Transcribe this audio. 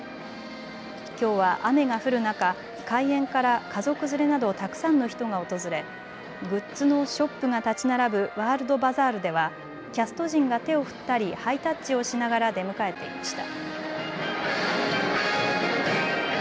きょうは雨が降る中、開園から家族連れなどたくさんの人が訪れグッズのショップが建ち並ぶワールドバザールではキャスト陣が手を振ったりハイタッチをしながら出迎えていました。